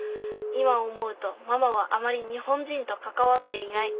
今思うとママはあまり日本人と関わっていない。